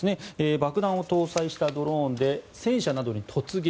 爆弾を搭載したドローンで戦車などに突撃。